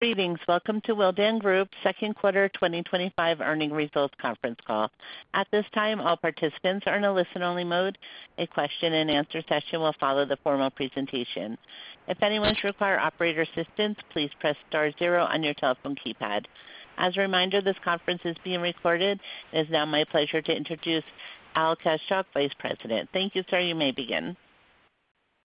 Greetings. Welcome to Willdan Group's Second Quarter 2025 Earnings Results Conference Call. At this time, all participants are in a listen-only mode. A question-and-answer session will follow the formal presentation. If anyone should require operator assistance, please press star zero on your telephone keypad. As a reminder, this conference is being recorded. It is now my pleasure to introduce Al Kaschalk, Vice President. Thank you, sir. You may begin.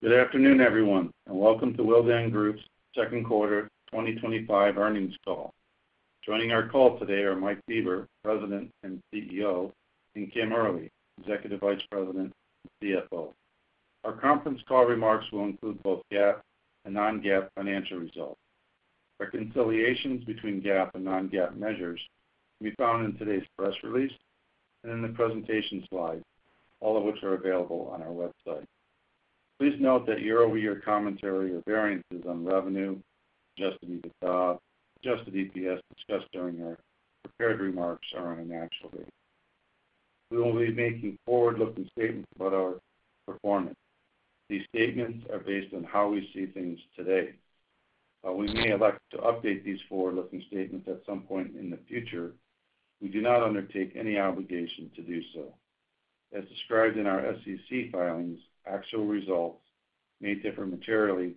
Good afternoon, everyone, and welcome to Willdan Group's Second Quarter 2025 Earnings Call. Joining our call today are Mike Bieber, President and CEO, and Kim Early, Executive Vice President and CFO. Our conference call remarks will include both GAAP and non-GAAP financial results. Reconciliations between GAAP and non-GAAP measures can be found in today's press release and in the presentation slides, all of which are available on our website. Please note that year-over-year commentary or variances on revenue, adjusted EBITDA, and adjusted EPS discussed during our prepared remarks are unnatural. We will be making forward-looking statements about our performance. These statements are based on how we see things today. While we may elect to update these forward-looking statements at some point in the future, we do not undertake any obligation to do so. As described in our SEC filings, actual results may differ materially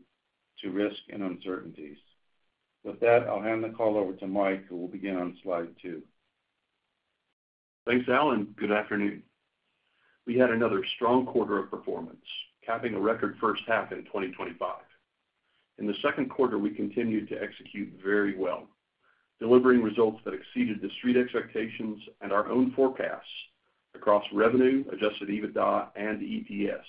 due to risk and uncertainties. With that, I'll hand the call over to Mike, who will begin on slide two. Thanks, Alan. Good afternoon. We had another strong quarter of performance, capping a record first half in 2025. In the second quarter, we continued to execute very well, delivering results that exceeded the Street expectations and our own forecasts across revenue, adjusted EBITDA, and EPS.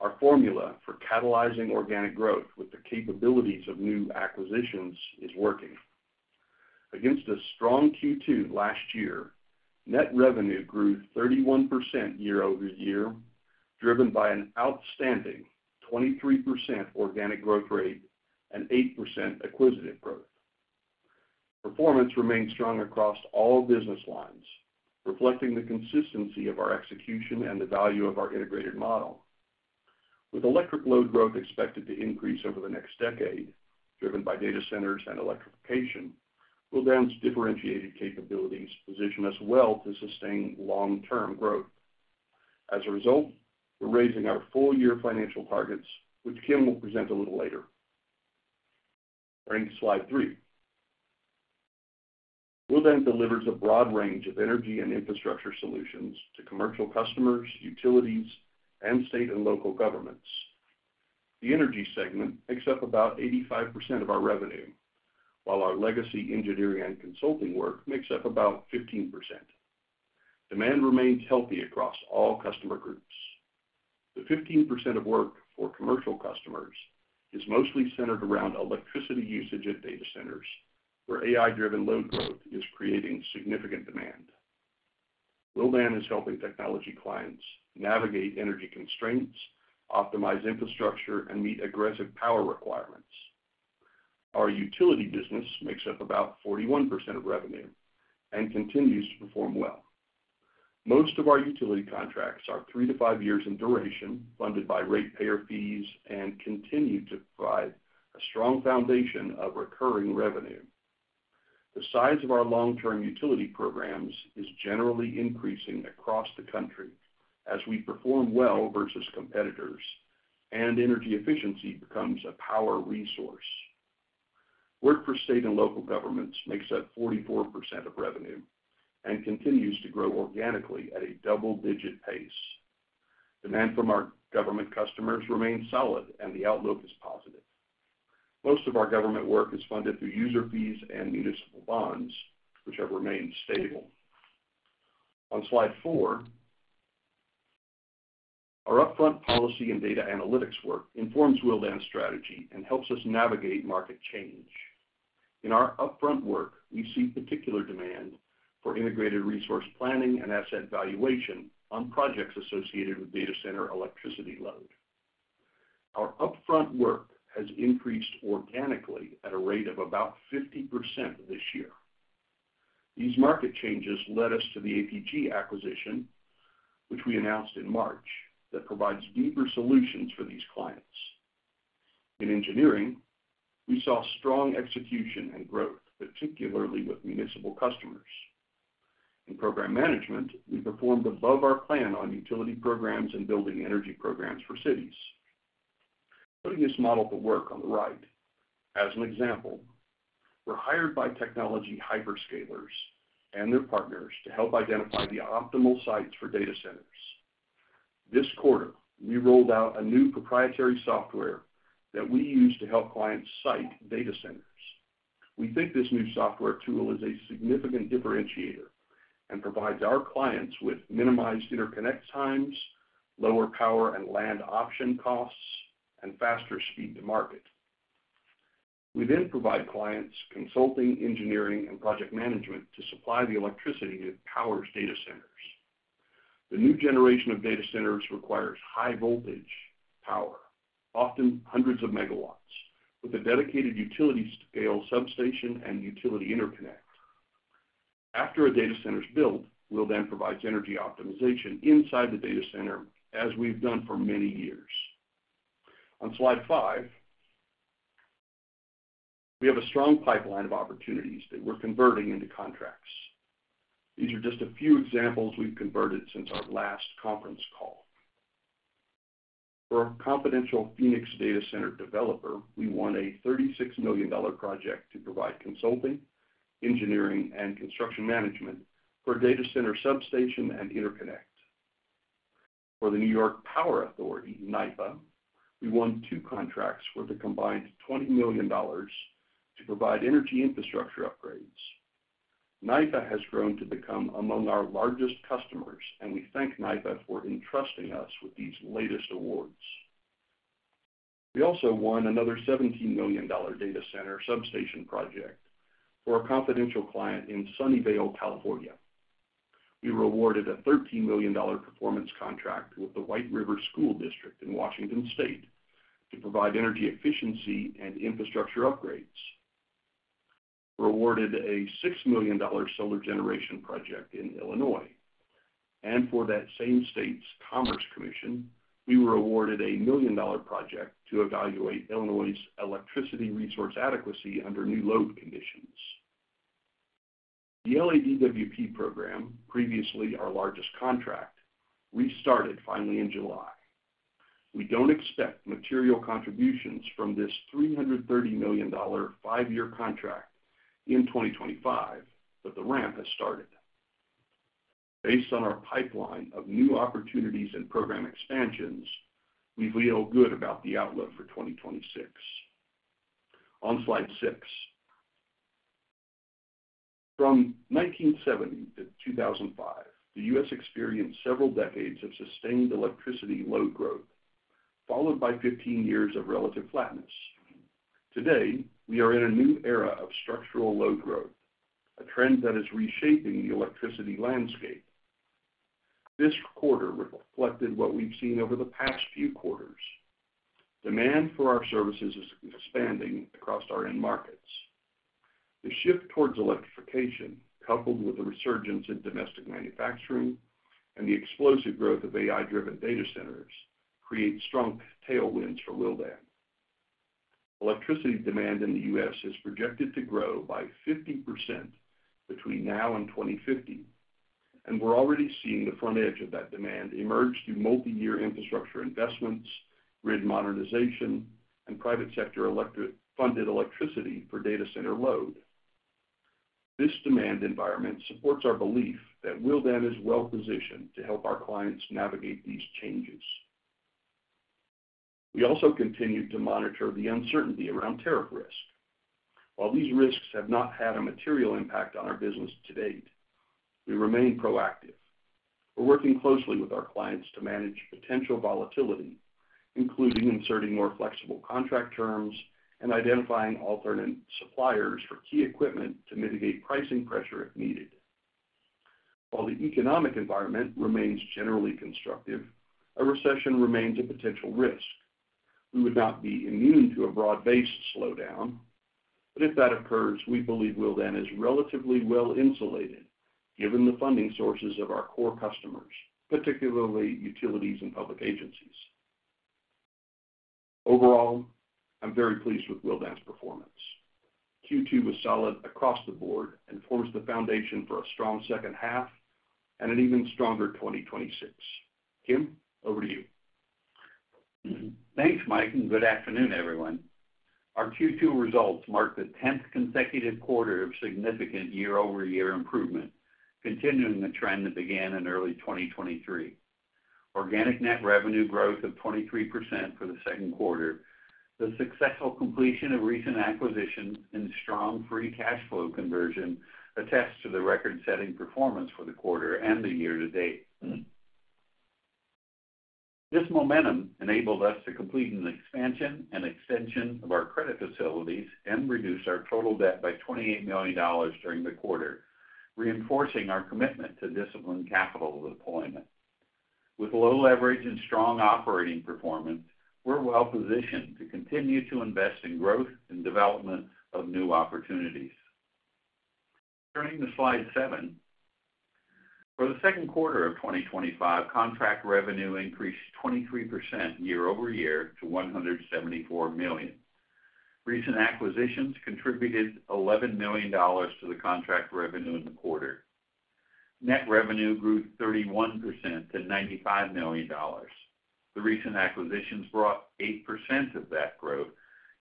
Our formula for catalyzing organic growth with the capabilities of new acquisitions is working. Against a strong Q2 last year, net revenue grew 31% year-over-year, driven by an outstanding 23% organic growth rate and 8% acquisitive growth. Performance remained strong across all business lines, reflecting the consistency of our execution and the value of our integrated model. With electric load growth expected to increase over the next decade, driven by data centers and electrification, Willdan's differentiated capabilities position us well to sustain long-term growth. As a result, we're raising our full-year financial targets, which Kim will present a little later. Turning to slide three, Willdan delivers a broad range of energy and infrastructure solutions to commercial customers, utilities, and state and local governments. The energy segment makes up about 85% of our revenue, while our legacy engineering and consulting work makes up about 15%. Demand remains healthy across all customer groups. The 15% of work for commercial customers is mostly centered around electricity usage at data centers, where AI-driven load growth is creating significant demand. Willdan is helping technology clients navigate energy constraints, optimize infrastructure, and meet aggressive power requirements. Our utility business makes up about 41% of revenue and continues to perform well. Most of our utility contracts are 3-5 years in duration, funded by ratepayer fees, and continue to provide a strong foundation of recurring revenue. The size of our long-term utility programs is generally increasing across the country as we perform well versus competitors, and energy efficiency becomes a power resource. Work for state and local governments makes up 44% of revenue and continues to grow organically at a double-digit pace. Demand from our government customers remains solid, and the outlook is positive. Most of our government work is funded through user fees and municipal bonds, which have remained stable. On slide four, our upfront policy and data analytics work informs Willdan's strategy and helps us navigate market change. In our upfront work, we see particular demand for integrated resource planning and asset valuation on projects associated with data center electricity load. Our upfront work has increased organically at a rate of about 50% this year. These market changes led us to the APG acquisition, which we announced in March, that provides deeper solutions for these clients. In engineering, we saw strong execution and growth, particularly with municipal customers. In program management, we performed above our plan on utility programs and building energy programs for cities. Putting this model to work on the right, as an example, we're hired by technology hyperscalers and their partners to help identify the optimal sites for data centers. This quarter, we rolled out a new proprietary data center siting software that we use to help clients site data centers. We think this new software tool is a significant differentiator and provides our clients with minimized interconnect times, lower power and land option costs, and faster speed to market. We then provide clients consulting, engineering, and project management to supply the electricity that powers data centers. The new generation of data centers requires high-voltage power, often hundreds of megawatts, with a dedicated utility-scale substation and utility interconnect. After a data center is built, Willdan provides energy optimization inside the data center, as we've done for many years. On slide five, we have a strong pipeline of opportunities that we're converting into contracts. These are just a few examples we've converted since our last conference call. For a confidential Phoenix data center developer, we won a $36 million project to provide consulting, engineering, and construction management for data center substation and interconnect. For the New York Power Authority, NYPA, we won two contracts worth a combined $20 million to provide energy infrastructure upgrades. NYPA has grown to become among our largest customers, and we thank NYPA for entrusting us with these latest awards. We also won another $17 million data center substation project for a confidential client in Sunnyvale, California. We were awarded a $13 million performance contract with the White River School District in Washington State to provide energy efficiency and infrastructure upgrades. We were awarded a $6 million solar generation project in Illinois. For that same state's Commerce Commission, we were awarded a $1 million project to evaluate Illinois's electricity resource adequacy under new load conditions. The LADWP program, previously our largest contract, restarted finally in July. We don't expect material contributions from this $330 million five-year contract in 2025, but the ramp has started. Based on our pipeline of new opportunities and program expansions, we feel good about the outlook for 2026. On slide six, from 1970 to 2005, the U.S. experienced several decades of sustained electricity load growth, followed by 15 years of relative flatness. Today, we are in a new era of structural load growth, a trend that is reshaping the electricity landscape. This quarter reflected what we've seen over the past few quarters. Demand for our services is expanding across our end markets. The shift towards electrification, coupled with the resurgence in domestic manufacturing and the explosive growth of AI-driven data centers, creates strong tailwinds for Willdan. Electricity demand in the U.S. is projected to grow by 50% between now and 2050, and we're already seeing the frontage of that demand emerge through multi-year infrastructure investments, grid modernization, and private sector-funded electricity for data center load. This demand environment supports our belief that Willdan is well-positioned to help our clients navigate these changes. We also continue to monitor the uncertainty around tariff risk. While these risks have not had a material impact on our business to date, we remain proactive. We're working closely with our clients to manage potential volatility, including inserting more flexible contract terms and identifying alternate suppliers for key equipment to mitigate pricing pressure if needed. While the economic environment remains generally constructive, a recession remains a potential risk. We would not be immune to a broad-based slowdown, but if that occurs, we believe Willdan is relatively well insulated given the funding sources of our core customers, particularly utilities and public agencies. Overall, I'm very pleased with Willdan's performance. Q2 was solid across the board and forms the foundation for a strong second half and an even stronger 2026. Kim, over to you. Thanks, Mike, and good afternoon, everyone. Our Q2 results mark the 10th consecutive quarter of significant year-over-year improvement, continuing the trend that began in early 2023. Organic net revenue growth of 23% for the second quarter. The successful completion of recent acquisitions and strong free cash flow conversion attest to the record-setting performance for the quarter and the year to date. This momentum enabled us to complete an expansion and extension of our credit facilities and reduce our total debt by $28 million during the quarter, reinforcing our commitment to disciplined capital deployment. With low leverage and strong operating performance, we're well-positioned to continue to invest in growth and development of new opportunities. Turning to slide seven, for the second quarter of 2025, contract revenue increased 23% year-over-year to $174 million. Recent acquisitions contributed $11 million to the contract revenue in the quarter. Net revenue grew 31% to $95 million. The recent acquisitions brought 8% of that growth,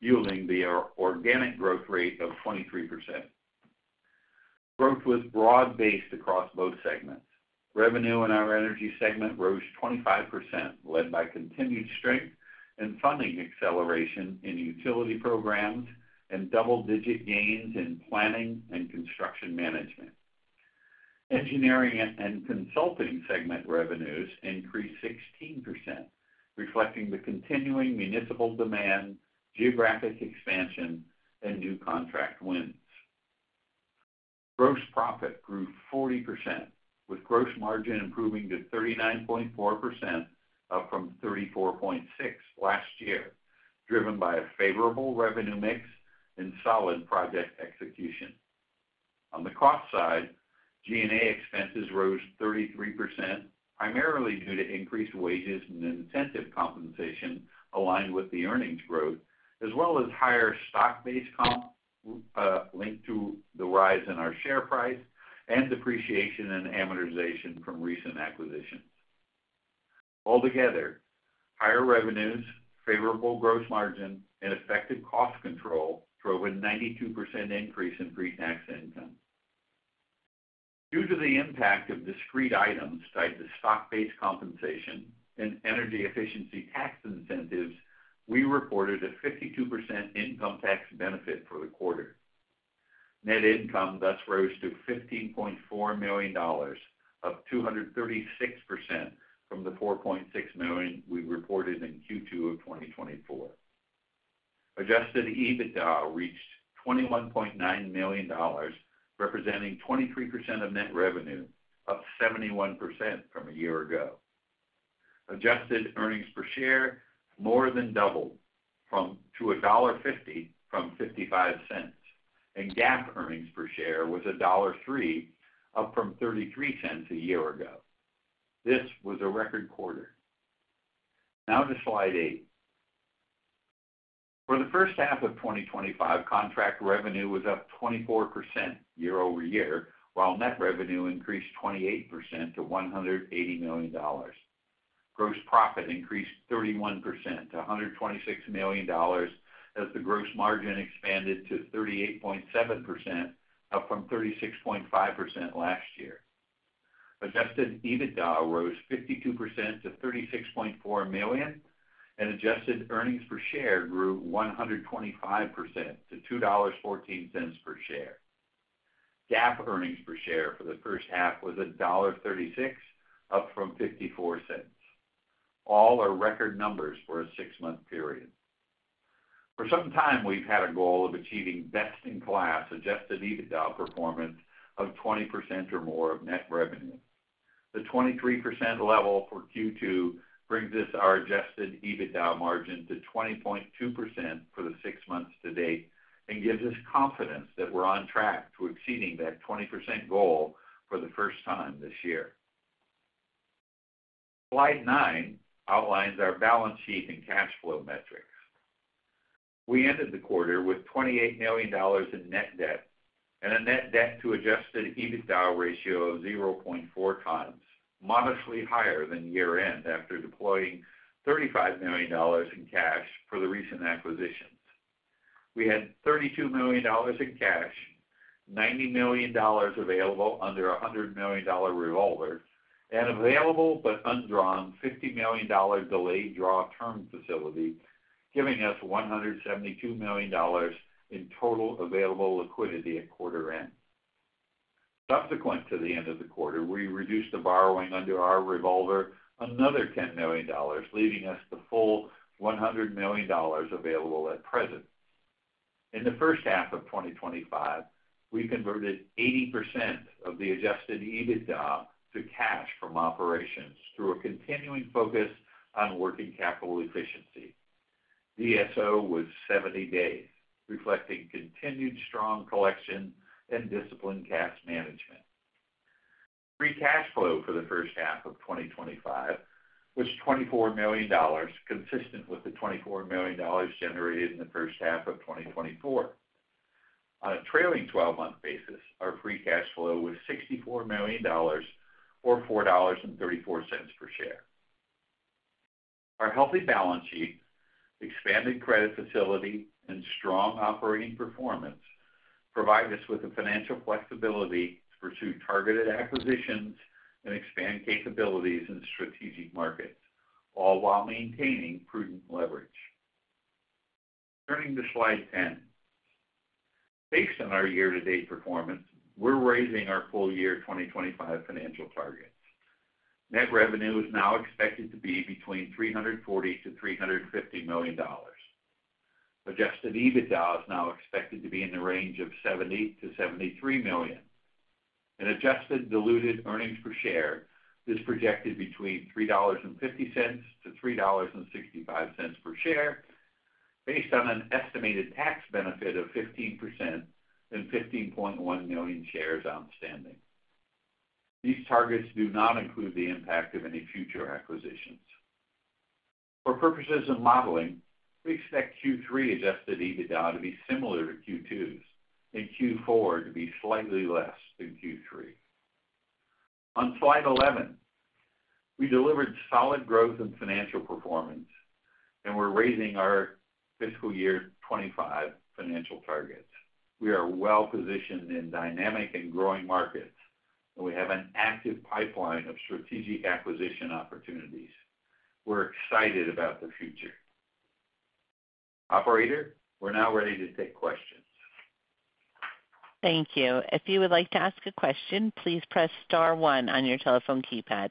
yielding the organic growth rate of 23%. Growth was broad-based across both segments. Revenue in our energy segment rose 25%, led by continued strength and funding acceleration in utility programs and double-digit gains in planning and construction management. Engineering and consulting segment revenues increased 16%, reflecting the continuing municipal demand, geographic expansion, and new contract wins. Gross profit grew 40%, with gross margin improving to 39.4%, up from 34.6% last year, driven by a favorable revenue mix and solid project execution. On the cost side, G&A expenses rose 33%, primarily due to increased wages and incentive compensation aligned with the earnings growth, as well as higher stock-based comps linked to the rise in our share price and depreciation and amortization from recent acquisitions. Altogether, higher revenues, favorable gross margin, and effective cost control drove a 92% increase in pre-tax income. Due to the impact of discrete items like the stock-based compensation and energy efficiency tax incentives, we reported a 52% income tax benefit for the quarter. Net income thus rose to $15.4 million, up 236% from the $4.6 million we reported in Q2 of 2024. Adjusted EBITDA reached $21.9 million, representing 23% of net revenue, up 71% from a year ago. Adjusted earnings per share more than doubled to $1.50 from $0.55, and GAAP earnings per share was $1.03, up from $0.33 a year ago. This was a record quarter. Now to slide eight. For the first half of 2025, contract revenue was up 24% year-over-year, while net revenue increased 28% to $180 million. Gross profit increased 31% to $126 million as the gross margin expanded to 38.7%, up from 36.5% last year. Adjusted EBITDA rose 52% to $36.4 million, and adjusted earnings per share grew 125% to $2.14 per share. GAAP earnings per share for the first half was $1.36, up from $0.54. All are record numbers for a six-month period. For some time, we've had a goal of achieving best-in-class adjusted EBITDA performance of 20% or more of net revenue. The 23% level for Q2 brings us our adjusted EBITDA margin to 20.2% for the six months to date and gives us confidence that we're on track to exceeding that 20% goal for the first time this year. Slide nine outlines our balance sheet and cash flow metrics. We ended the quarter with $28 million in net debt and a net debt-to-adjusted EBITDA ratio of 0.4x, modestly higher than year-end after deploying $35 million in cash for the recent acquisitions. We had $32 million in cash, $90 million available under a $100 million revolver, and an available but undrawn $50 million delayed draw term facility, giving us $172 million in total available liquidity at quarter end. Subsequent to the end of the quarter, we reduced the borrowing under our revolver another $10 million, leaving us the full $100 million available at present. In the first half of 2025, we converted 80% of the adjusted EBITDA to cash from operations through a continuing focus on working capital efficiency. DSO was 70 days, reflecting continued strong collection and disciplined cash management. Free cash flow for the first half of 2025 was $24 million, consistent with the $24 million generated in the first half of 2024. On a trailing 12-month basis, our free cash flow was $64 million or $4.34 per share. Our healthy balance sheet, expanded credit facility, and strong operating performance provide us with the financial flexibility to pursue targeted acquisitions and expand capabilities in strategic markets, all while maintaining prudent leverage. Turning to slide 10. Based on our year-to-date performance, we're raising our full-year 2025 financial targets. Net revenue is now expected to be between $340 million-$350 million. Adjusted EBITDA is now expected to be in the range of $70 million-$73 million. Adjusted diluted earnings per share is projected between $3.50-$3.65 per share, based on an estimated tax benefit of 15% and 15.1 million shares outstanding. These targets do not include the impact of any future acquisitions. For purposes of modeling, we expect Q3 adjusted EBITDA to be similar to Q2's and Q4 to be slightly less than Q3. On slide 11, we delivered solid growth in financial performance, and we're raising our fiscal year 2025 financial targets. We are well positioned in dynamic and growing markets, and we have an active pipeline of strategic acquisition opportunities. We're excited about the future. Operator, we're now ready to take questions. Thank you. If you would like to ask a question, please press star one on your telephone keypad.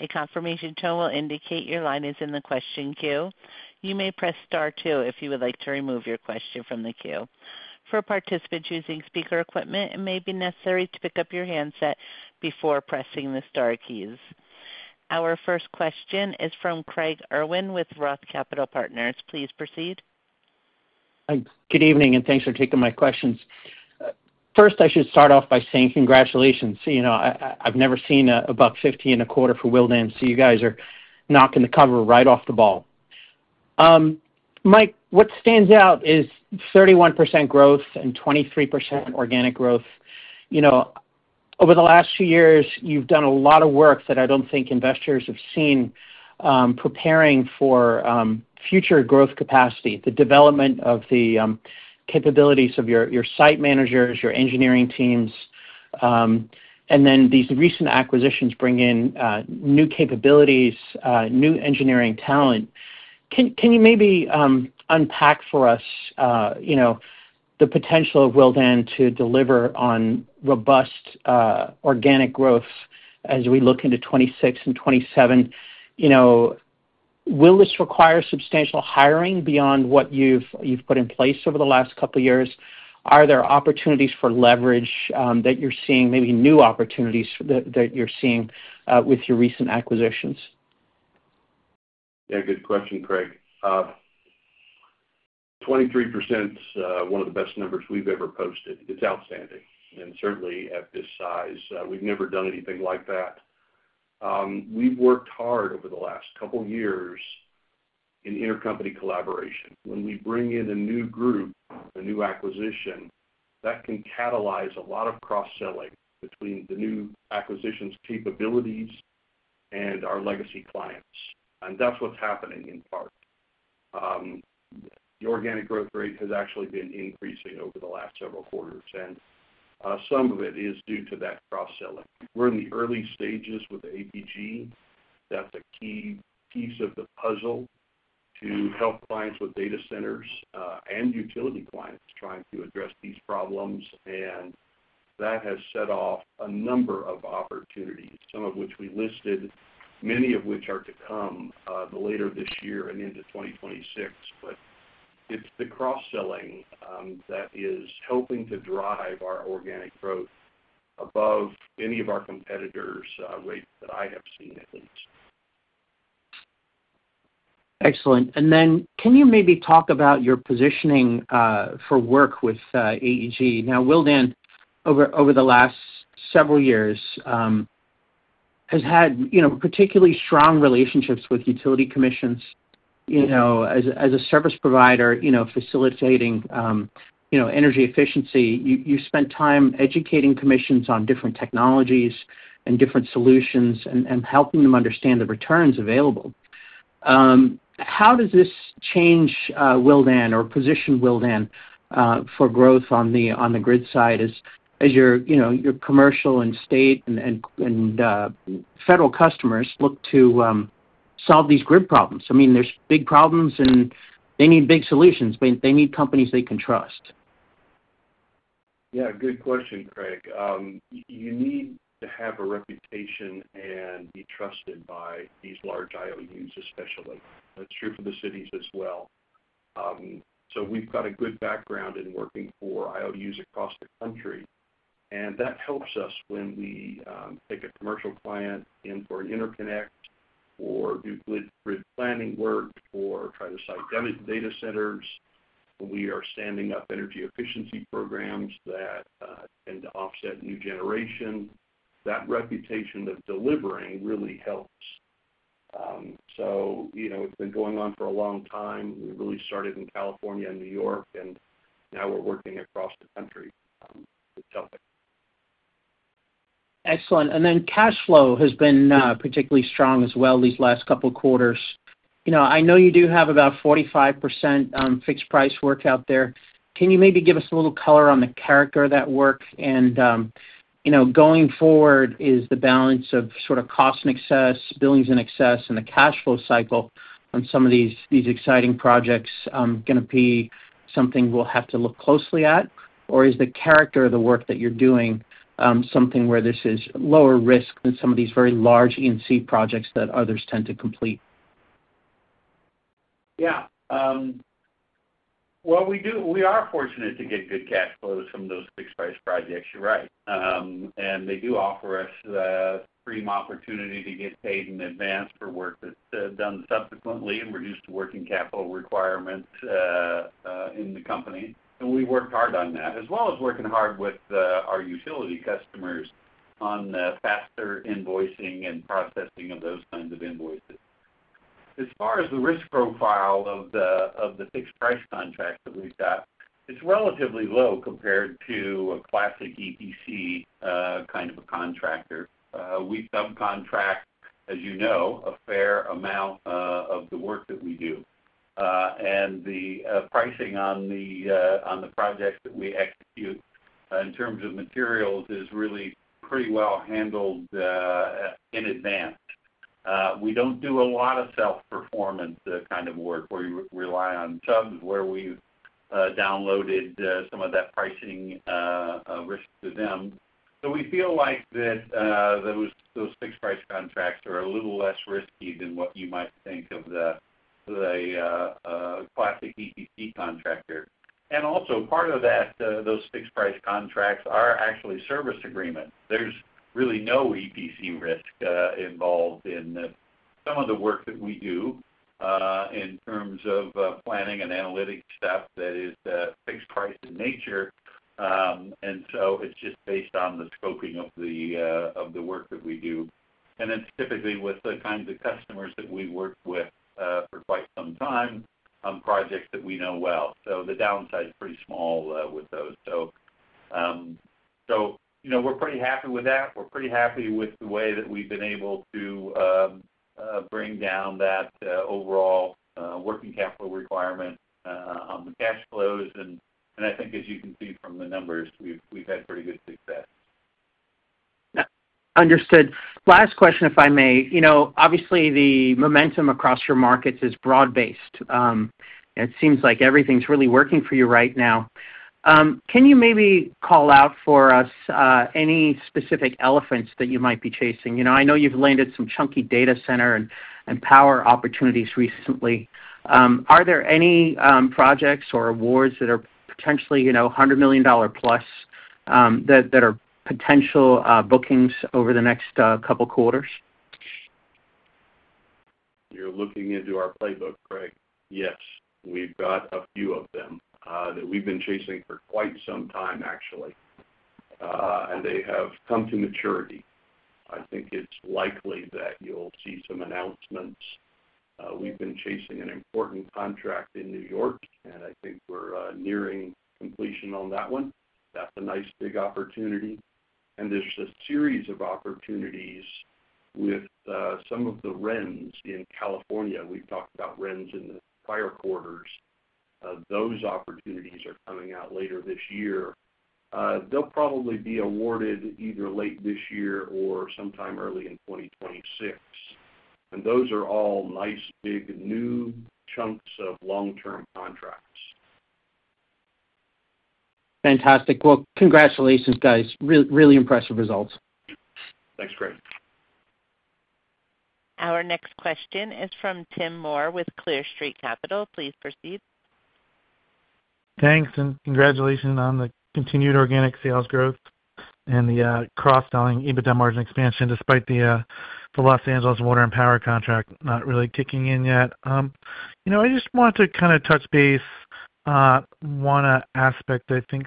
A confirmation tone will indicate your line is in the question queue. You may press star two if you would like to remove your question from the queue. For participants using speaker equipment, it may be necessary to pick up your handset before pressing the star keys. Our first question is from Craig Irwin with ROTH Capital Partners. Please proceed. Good evening, and thanks for taking my questions. First, I should start off by saying congratulations. You know, I've never seen $1.50 in a quarter for Willdan, so you guys are knocking the cover right off the ball. Mike, what stands out is 31% growth and 23% organic growth. You know, over the last two years, you've done a lot of work that I don't think investors have seen, preparing for future growth capacity, the development of the capabilities of your site managers, your engineering teams, and then these recent acquisitions bring in new capabilities, new engineering talent. Can you maybe unpack for us the potential of Willdan to deliver on robust organic growth as we look into 2026 and 2027? You know, will this require substantial hiring beyond what you've put in place over the last couple of years? Are there opportunities for leverage that you're seeing, maybe new opportunities that you're seeing with your recent acquisitions? Yeah, good question, Craig. 23% is one of the best numbers we've ever posted. It's outstanding. Certainly, at this size, we've never done anything like that. We've worked hard over the last couple of years in intercompany collaboration. When we bring in a new group, a new acquisition, that can catalyze a lot of cross-selling between the new acquisition's capabilities and our legacy clients. That's what's happening in part. The organic growth rate has actually been increasing over the last several quarters, and some of it is due to that cross-selling. We're in the early stages with APG. That's the key piece of the puzzle to help clients with data centers and utility clients trying to address these problems. That has set off a number of opportunities, some of which we listed, many of which are to come later this year and into 2026. It's the cross-selling that is helping to drive our organic growth above any of our competitors that I have seen, at least. Excellent. Can you maybe talk about your positioning for work with APG? Now, Willdan, over the last several years, has had particularly strong relationships with utility commissions. As a service provider facilitating energy efficiency, you spent time educating commissions on different technologies and different solutions and helping them understand the returns available. How does this change Willdan or position Willdan for growth on the grid side as your commercial and state and federal customers look to solve these grid problems? There are big problems and they need big solutions, but they need companies they can trust. Yeah, good question, Craig. You need to have a reputation and be trusted by these large IOUs, especially. That's true for the cities as well. We've got a good background in working for IOUs across the country, and that helps us when we take a commercial client in for an interconnect or do grid planning work or try to site data centers. We are standing up energy efficiency programs that tend to offset new generation. That reputation of delivering really helps. It's been going on for a long time. We really started in California and New York, and now we're working across the country. It's helping. Excellent. Cash flow has been particularly strong as well these last couple of quarters. I know you do have about 45% fixed price work out there. Can you maybe give us a little color on the character of that work? Going forward, is the balance of sort of cost in excess, billings in excess, and the cash flow cycle on some of these exciting projects going to be something we'll have to look closely at? Is the character of the work that you're doing something where this is lower risk than some of these very large E&C projects that others tend to complete? Yeah. We are fortunate to get good cash flow with some of those fixed price projects. You're right. They do offer us a premium opportunity to get paid in advance for work that's done subsequently and reduce the working capital requirements in the company. We worked hard on that, as well as working hard with our utility customers on the faster invoicing and processing of those kinds of invoices. As far as the risk profile of the fixed price contracts that we've got, it's relatively low compared to a classic EPC kind of a contractor. We subcontract, as you know, a fair amount of the work that we do. The pricing on the projects that we execute in terms of materials is really pretty well handled in advance. We don't do a lot of self-performance kind of work where you rely on subs where we've downloaded some of that pricing risk to them. We feel like those fixed price contracts are a little less risky than what you might think of the classic EPC contractor. Also, part of that, those fixed price contracts are actually service agreements. There's really no EPC risk involved in some of the work that we do in terms of planning and analytics stuff that is fixed price in nature. It's just based on the scoping of the work that we do. It's typically with the kinds of customers that we've worked with for quite some time on projects that we know well. The downside is pretty small with those. We're pretty happy with that. We're pretty happy with the way that we've been able to bring down that overall working capital requirement on the cash flows. I think, as you can see from the numbers, we've had pretty good success. Understood. Last question, if I may. Obviously, the momentum across your markets is broad-based. It seems like everything's really working for you right now. Can you maybe call out for us any specific elephants that you might be chasing? I know you've landed some chunky data center and power opportunities recently. Are there any projects or awards that are potentially $100 million+ that are potential bookings over the next couple of quarters? You're looking into our playbook, Craig. Yes, we've got a few of them that we've been chasing for quite some time, actually, and they have come to maturity. I think it's likely that you'll see some announcements. We've been chasing an important contract in New York, and I think we're nearing completion on that one. That's a nice big opportunity. There's a series of opportunities with some of the RENs in California. We've talked about RENs in the prior quarters. Those opportunities are coming out later this year. They'll probably be awarded either late this year or sometime early in 2026. Those are all nice big new chunks of long-term contracts. Fantastic. Congratulations, guys. Really, really impressive results. Thanks, Craig. Our next question is from Tim Moore with Clear Street Capital. Please proceed. Thanks, and congratulations on the continued organic sales growth and the cross-selling EBITDA margin expansion despite the Los Angeles water and power contract not really kicking in yet. I just want to kind of touch base on one aspect that I think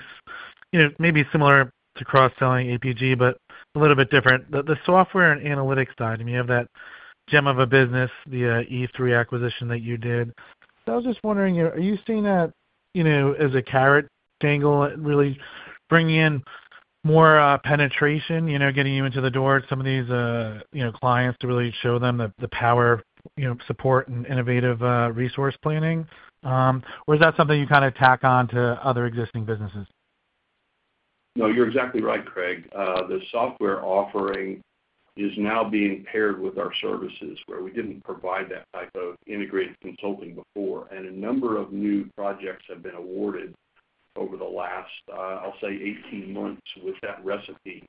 is maybe similar to cross-selling APG, but a little bit different. The software and analytics side, I mean, you have that gem of a business, the E3 acquisition that you did. I was just wondering, are you seeing that as a carrot dangle really bringing in more penetration, getting you into the door of some of these clients to really show them the power, support, and innovative resource planning? Or is that something you kind of tack on to other existing businesses? No, you're exactly right, Craig. The software offering is now being paired with our services where we didn't provide that type of integrated consulting before. A number of new projects have been awarded over the last, I'll say, 18 months with that recipe.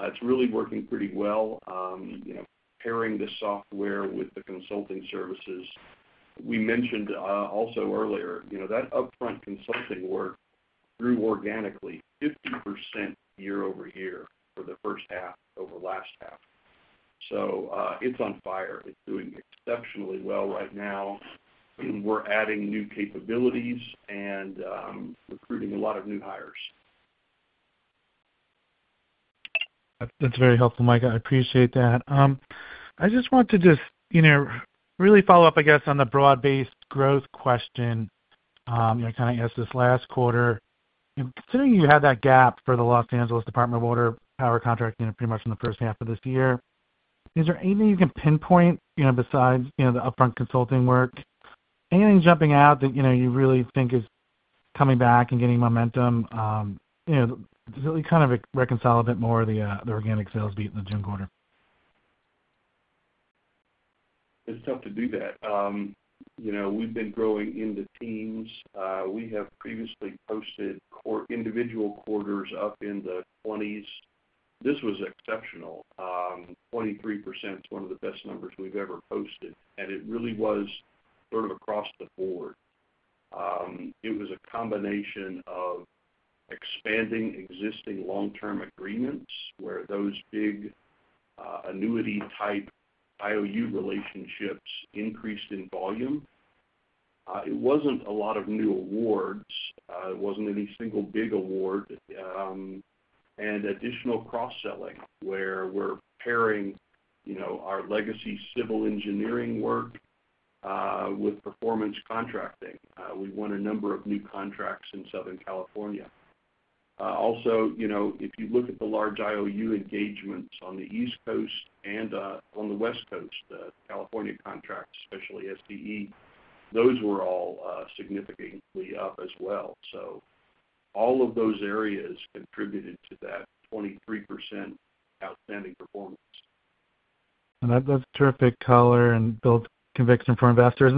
It's really working pretty well, pairing the software with the consulting services. We mentioned also earlier that upfront consulting work grew organically 50% year-over-year for the first half over the last half. It's on fire. It's doing exceptionally well right now, and we're adding new capabilities and recruiting a lot of new hires. That's very helpful, Mike. I appreciate that. I just want to really follow up, I guess, on the broad-based growth question that I kind of asked this last quarter. Considering you had that gap for the Los Angeles Department of Water and Power contract pretty much in the first half of this year, is there anything you can pinpoint besides the upfront consulting work? Anything jumping out that you really think is coming back and getting momentum? Does it kind of reconcile a bit more of the organic sales beat in the June quarter? It's tough to do that. We've been growing into teams. We have previously posted individual quarters up in the 20s. This was exceptional. 23% is one of the best numbers we've ever posted. It really was sort of across the board. It was a combination of expanding existing long-term agreements where those big annuity-type IOU relationships increased in volume. It wasn't a lot of new awards. It wasn't any single big award. Additional cross-selling where we're pairing our legacy civil engineering work with performance contracting. We won a number of new contracts in Southern California. Also, if you look at the large IOU engagements on the East Coast and on the West Coast, the California contracts, especially SDE, those were all significantly up as well. All of those areas contributed to that 23% outstanding performance. That's terrific color and builds conviction for investors.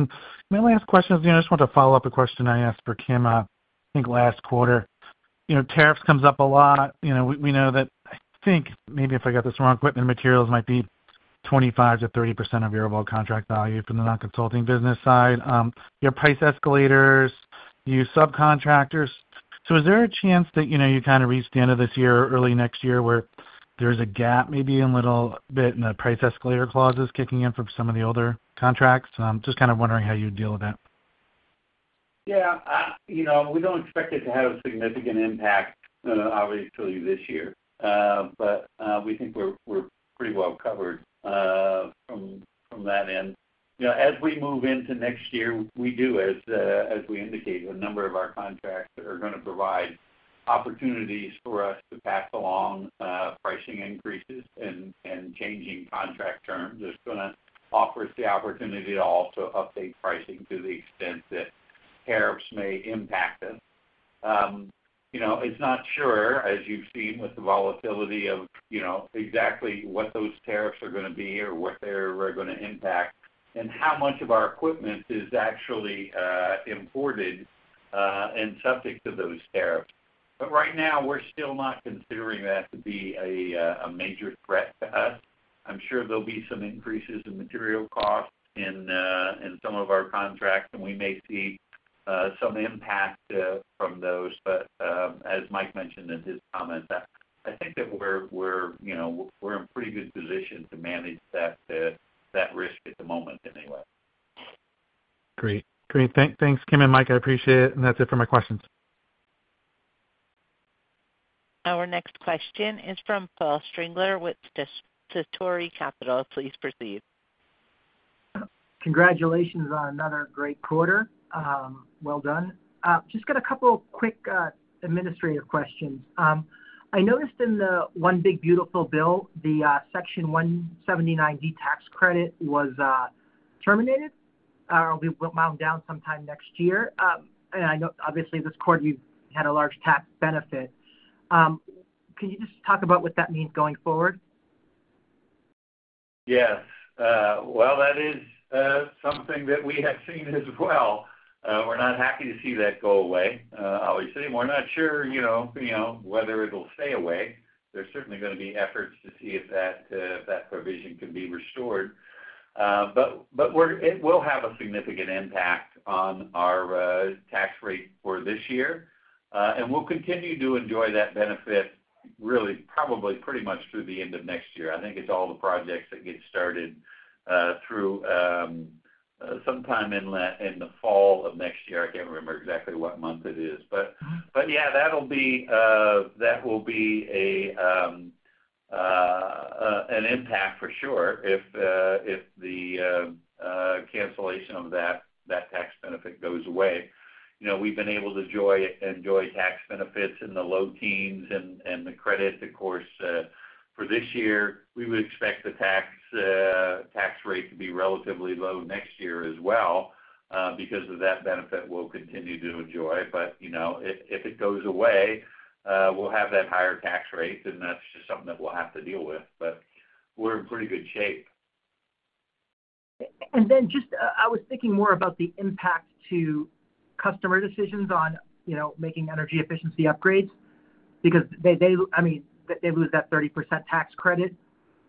My last question is, I just want to follow up a question I asked for Kim, I think last quarter. Tariffs come up a lot. We know that, I think maybe if I got this wrong, equipment and materials might be 25%-30% of your overall contract value for the non-consulting business side. You have price escalators. You use subcontractors. Is there a chance that you reach the end of this year or early next year where there's a gap maybe a little bit in the price escalator clauses kicking in for some of the older contracts? I'm just kind of wondering how you deal with that. Yeah, you know, we don't expect it to have a significant impact, obviously, this year. We think we're pretty well covered from that end. As we move into next year, we do, as we indicated, a number of our contracts are going to provide opportunities for us to pass along pricing increases and changing contract terms. It's going to offer us the opportunity to also update pricing to the extent that tariffs may impact us. It's not sure, as you've seen with the volatility of exactly what those tariffs are going to be or what they're going to impact and how much of our equipment is actually imported and subject to those tariffs. Right now, we're still not considering that to be a major threat to us. I'm sure there'll be some increases in material costs in some of our contracts, and we may see some impact from those. As Mike mentioned in his comment, I think that we're in a pretty good position to manage that risk at the moment anyway. Great. Thanks, Kim and Mike. I appreciate it. That's it for my questions. Our next question is from Paul Strigler with Satori Capital. Please proceed. Congratulations on another great quarter. Well done. Just got a couple of quick, administrative questions. I noticed in the one big beautiful bill, the Section 179D tax credit was terminated. We will mount down sometime next year. I know, obviously, this quarter, you had a large tax benefit. Can you just talk about what that means going forward? Yeah, that is something that we have seen as well. We're not happy to see that go away, obviously, and we're not sure whether it'll stay away. There's certainly going to be efforts to see if that provision can be restored, but it will have a significant impact on our tax rate for this year. We'll continue to enjoy that benefit, really, probably pretty much through the end of next year. I think it's all the projects that get started through sometime in the fall of next year. I can't remember exactly what month it is, but yeah, that will be an impact for sure if the cancellation of that tax benefit goes away. We've been able to enjoy tax benefits in the low teens and the credit, of course, for this year. We would expect the tax rate to be relatively low next year as well because of that benefit we'll continue to enjoy. If it goes away, we'll have that higher tax rate, and that's just something that we'll have to deal with. We're in pretty good shape. I was thinking more about the impact to customer decisions on, you know, making energy efficiency upgrades because they lose that 30% tax credit.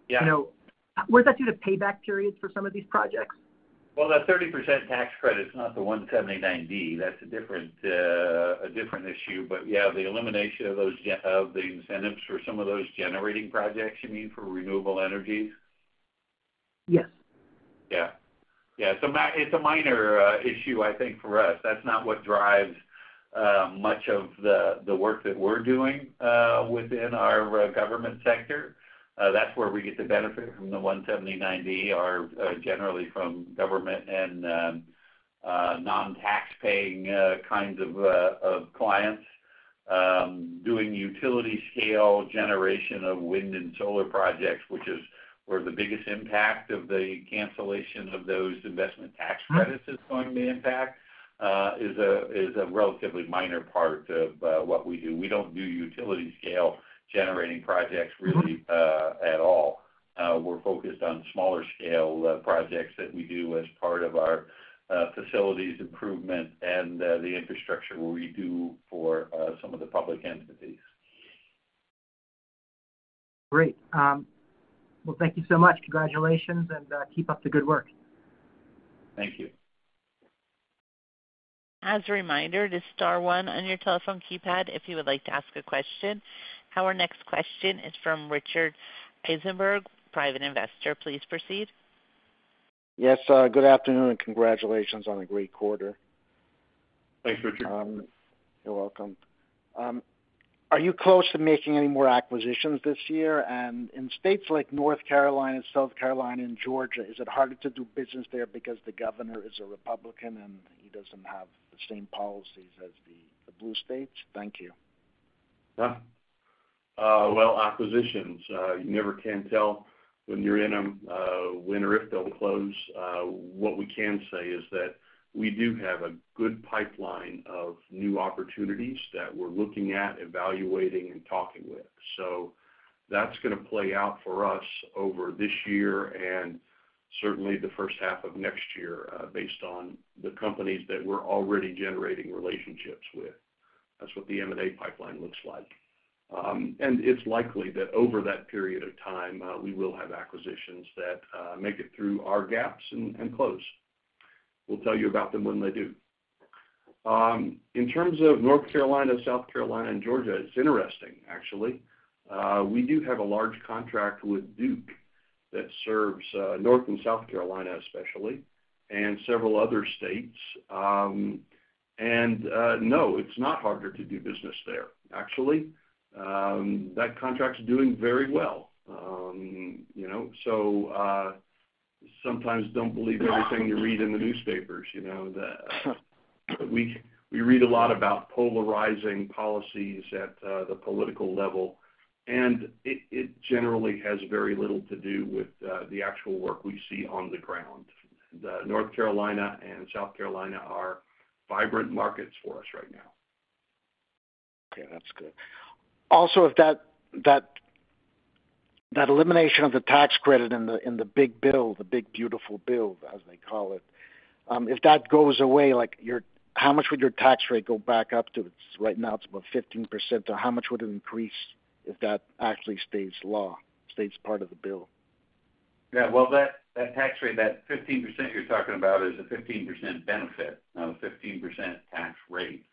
Yeah, you know, what does that do to payback periods for some of these projects? That 30% tax credit is not the 179D. That's a different issue. Yeah, the elimination of those incentives for some of those generating projects you need for renewable energies? Yes. Yeah. It's a minor issue, I think, for us. That's not what drives much of the work that we're doing within our government sector. That's where we get the benefit from the 179D generally from government and non-tax-paying kinds of clients. Doing utility-scale generation of wind and solar projects, which is where the biggest impact of the cancellation of those investment tax credits is going to be, is a relatively minor part of what we do. We don't do utility-scale generating projects really at all. We're focused on smaller-scale projects that we do as part of our facilities improvement and the infrastructure we do for some of the public entities. Thank you so much. Congratulations and keep up the good work. Thank you. As a reminder, just star one on your telephone keypad if you would like to ask a question. Our next question is from Richard Eisenberg, private investor. Please proceed. Yes. Good afternoon and congratulations on a great quarter. Thanks, Richard. You're welcome. Are you close to making any more acquisitions this year? In states like North Carolina, South Carolina, and Georgia, is it harder to do business there because the governor is a Republican and he doesn't have the same policies as the blue states? Thank you. Acquisitions, you never can tell when you're in them, when or if they'll close. What we can say is that we do have a good pipeline of new opportunities that we're looking at, evaluating, and talking with. That's going to play out for us over this year and certainly the first half of next year, based on the companies that we're already generating relationships with. That's what the M&A pipeline looks like. It's likely that over that period of time, we will have acquisitions that make it through our gaps and close. We'll tell you about them when they do. In terms of North Carolina, South Carolina, and Georgia, it's interesting, actually. We do have a large contract with Duke that serves North and South Carolina, especially, and several other states. No, it's not harder to do business there, actually. That contract's doing very well. Sometimes don't believe everything you read in the newspapers. We read a lot about polarizing policies at the political level, and it generally has very little to do with the actual work we see on the ground. North Carolina and South Carolina are vibrant markets for us right now. Okay, that's good. Also, if that elimination of the tax credit in the big bill, the big beautiful bill, as they call it, if that goes away, how much would your tax rate go back up to? Right now, it's about 15%. How much would it increase if that actually stays law, stays part of the bill? Yeah, that tax rate, that 15% you're talking about is a 15% benefit, a 15% tax rate.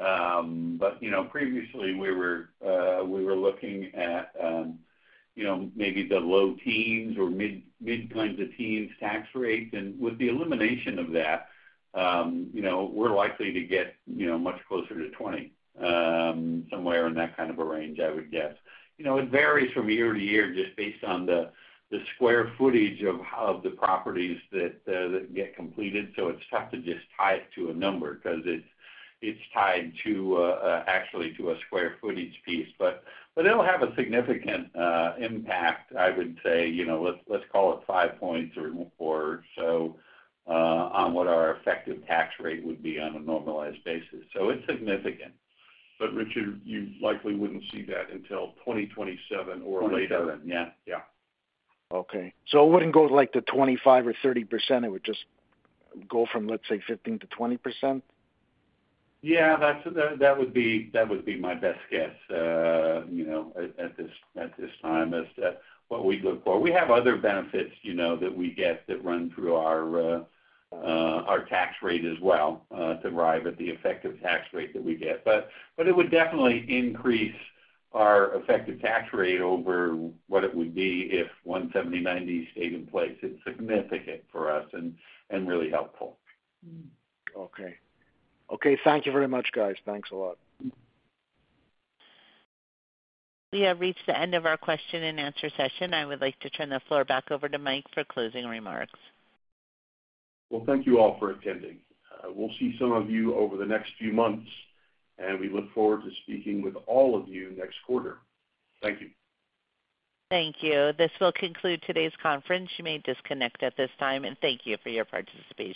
You know, previously, we were looking at maybe the low teens or mid-teens tax rates. With the elimination of that, we're likely to get much closer to 20%, somewhere in that kind of a range, I would guess. It varies from year to year just based on the square footage of the properties that get completed. It's tough to just tie it to a number because it's tied, actually, to a square footage piece. It'll have a significant impact, I would say. Let's call it 5.34%, on what our effective tax rate would be on a normalized basis. It's significant. Richard, you likely wouldn't see that until 2027 or later. 2027, yeah. Okay. It wouldn't go like to 25% or 30%. It would just go from, let's say, 15%-20%? Yeah, that would be my best guess, you know, at this time, is that what we'd look for. We have other benefits that we get that run through our tax rate as well, to drive at the effective tax rate that we get. It would definitely increase our effective tax rate over what it would be if 179D stayed in place. It's significant for us and really helpful. Okay. Thank you very much, guys. Thanks a lot. We have reached the end of our question-and-answer session. I would like to turn the floor back over to Mike for closing remarks. Thank you all for attending. We'll see some of you over the next few months, and we look forward to speaking with all of you next quarter. Thank you. Thank you. This will conclude today's Conference. You may disconnect at this time, and thank you for your participation.